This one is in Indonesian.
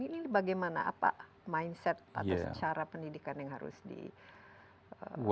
ini bagaimana apa mindset atau secara pendidikan yang harus dilakukan